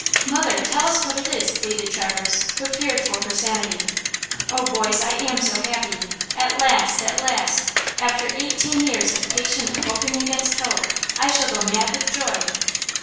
"Mother, tell us what it is," pleaded Traverse, who feared for her sanity. "Oh, boys, I am so happy! At last! at last! after eighteen years of patient 'hoping against hope!' I shall go mad with joy!"